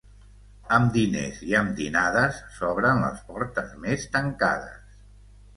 Amb diners i amb dinades s'obren les portes més tancades.